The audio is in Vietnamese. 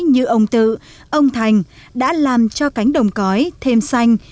như ông tự ông thành đã làm cho cánh đồng cõi thêm xanh